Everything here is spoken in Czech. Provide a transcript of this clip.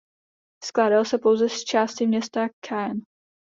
Skládal se pouze z části města Caen.